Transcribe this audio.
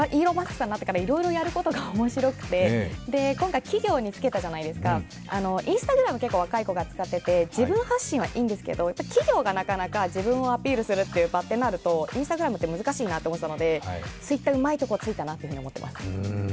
さんになってからいろいろやることが面白くて今回企業につけたじゃないですか、Ｉｎｓｔａｇｒａｍ、結構若い人が使っていて自分発信はいいんですけれども企業がなかなか自分を発信する場となると、Ｉｎｓｔａｇｒａｍって難しいなと思っていたのでＴｗｉｔｔｅｒ、うまいとこついたなと思ってます。